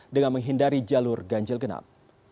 dengan menghindari jalur ganjil genap